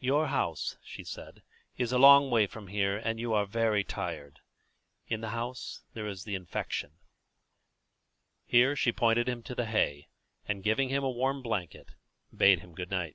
"Your house," she said, "is a long way from here, and you are very tired. In the house here there is the infection." Here she pointed him to the hay, and, giving him a warm blanket, bade him good night.